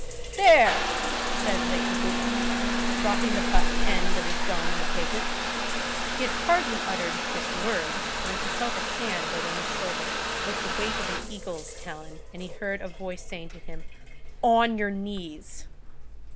"There!" said Le Cabuc, dropping the butt end of his gun to the pavement. He had hardly uttered this word, when he felt a hand laid on his shoulder with the weight of an eagle's talon, and he heard a voice saying to him:— "On your knees."